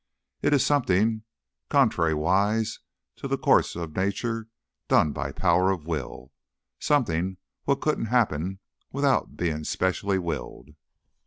It's something contrariwise to the course of nature done by power of Will, something what couldn't happen without being specially willed."